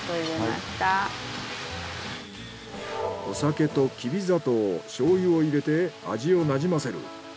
お酒ときび砂糖醤油を入れて味をなじませる。